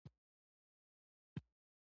د عنصر د نوم لنډه نښه سمبول دی.